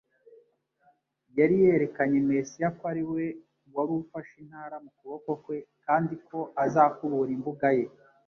Yari yerekanye Mesiya ko ariwe wari ufashe intara mu kuboko kwe kandi ko azakubura imbuga ye